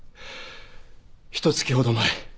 ひと月ほど前。